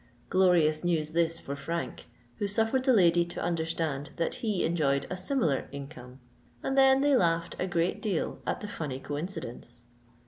Glorious news this for Frank, who suffered the lady to understand that he enjoyed a similar income; and then they laughed a great deal at the funny coincidence.